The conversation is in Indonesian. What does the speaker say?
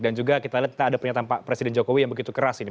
dan juga kita lihat ada pernyataan pak presiden jokowi yang begitu keras ini